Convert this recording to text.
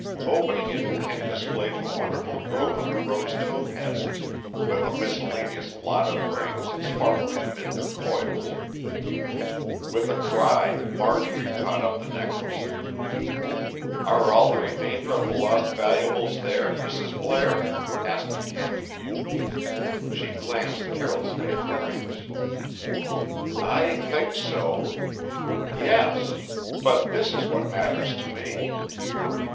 Opening it, Kent displayed the wonderful Grosvenor rose topazes, with a miscellaneous lot of rings sparkling amid their coils. With a cry, Marjorie caught up the necklace. "Are all the remainder of the lost valuables there, Mrs. Blair?" asked Kent. She glanced carelessly at the rings. "I think so. Yes. But this is what matters to me."